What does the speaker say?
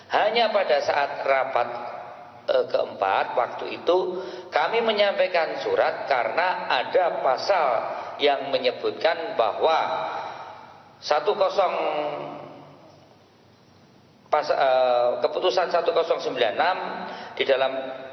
hanya pada saat rapat keempat waktu itu kami menyampaikan surat karena ada pasal yang menyebutkan bahwa